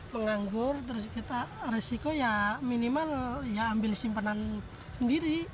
penganggur terus kita resiko ya minimal ya ambil simpanan sendiri